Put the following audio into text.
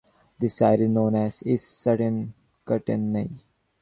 This site is known as East Sutton Courtenay.